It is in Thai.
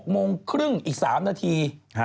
โมงครึ่งอีก๓นาที